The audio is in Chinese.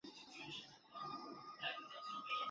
新的北江省由北江市及其附近区域组成。